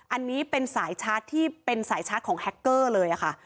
อันนี้เป็นสายชาร์จที่เป็นสายชาร์จของแฮคเกอร์เลยค่ะ